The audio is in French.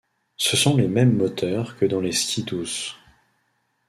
Ce sont les mêmes moteurs que dans les Ski-Doos.